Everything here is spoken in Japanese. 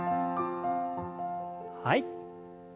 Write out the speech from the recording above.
はい。